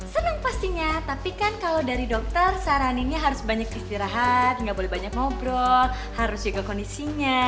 senang pastinya tapi kan kalau dari dokter saraninnya harus banyak istirahat nggak boleh banyak ngobrol harus jaga kondisinya